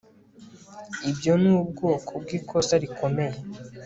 ibyo ni ubwoko bwikosa rikomeye